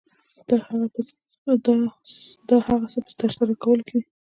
دا د هغه څه په ترسره کولو کې وي.